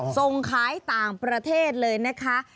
ส่งขายต่างประเทศเลยนะคะ